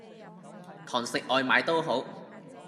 堂食外賣都好